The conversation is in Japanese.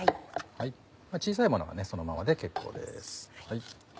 小さいものはそのままで結構です。